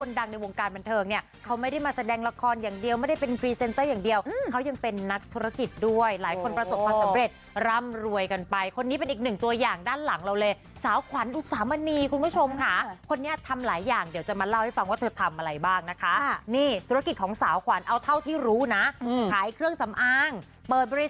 ดังในวงการบันเทิงเนี่ยเขาไม่ได้มาแสดงละครอย่างเดียวไม่ได้เป็นพรีเซนเตอร์อย่างเดียวเขายังเป็นนักธุรกิจด้วยหลายคนประสบความสำเร็จร่ำรวยกันไปคนนี้เป็นอีกหนึ่งตัวอย่างด้านหลังเราเลยสาวขวัญอุสามณีคุณผู้ชมค่ะคนนี้ทำหลายอย่างเดี๋ยวจะมาเล่าให้ฟังว่าเธอทำอะไรบ้างนะคะนี่ธุรกิจของสาวขวัญเอาเท่าที่รู้นะขายเครื่องสำอางเปิดบริ